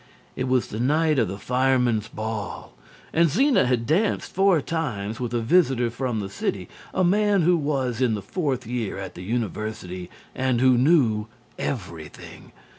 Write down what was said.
It was the night of the Firemen's Ball and Zena had danced four times with a visitor from the city, a man who was in the fourth year at the University and who knew everything.